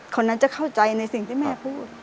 คนนั้นจะเข้าใจในสิ่งที่แม่พูด